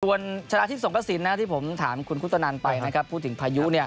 ส่วนฉดาอาทิตย์สมกษิณที่ผมถามคุณคุณตะนันไปพูดถึงพายุ